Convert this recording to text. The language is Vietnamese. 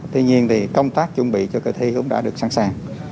tuy nhiên thì công tác chuẩn bị cho kỳ thi cũng đã được sẵn sàng